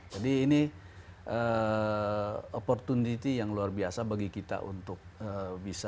jadi ini opportunity yang luar biasa bagi kita untuk bisa